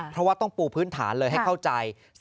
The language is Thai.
เพราะว่าต้องปูพื้นฐานเลยให้เข้าใจ